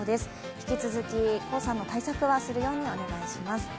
引き続き黄砂の対策はするようにお願いします。